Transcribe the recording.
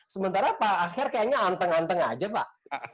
sementara pak aher kayaknya anteng anteng aja pak